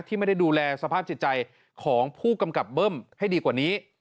ไม่ได้ดูแลสภาพจิตใจของผู้กำกับเบิ้มให้ดีกว่านี้